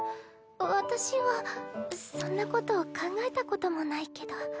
私はそんなこと考えたこともないけど。